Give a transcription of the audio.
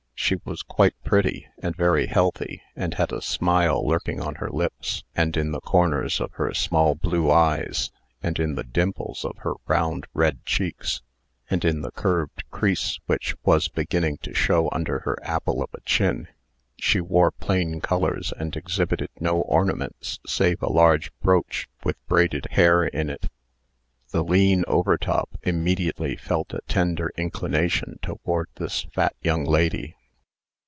She was quite pretty, and very healthy, and had a smile lurking on her lips, and in the corners of her small blue eyes, and in the dimples of her round, red cheeks, and in the curved crease which was beginning to show under her apple of a chin. She wore plain colors, and exhibited no ornaments save a large brooch with braided hair in it. The lean Overtop immediately felt a tender inclination toward this fat young lady.